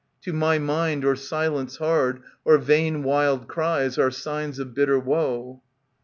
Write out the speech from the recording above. To my mind, or silence hard, Or vain wild cries, are signs of bitter woe.